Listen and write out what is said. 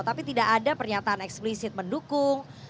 tapi tidak ada pernyataan eksplisit mendukung